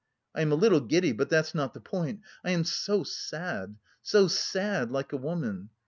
"I am a little giddy, but that's not the point, I am so sad, so sad... like a woman.